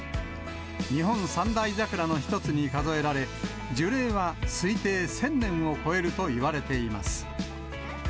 日本三大桜の一つに数えられ、樹齢は推定１０００年を超えるといわれています。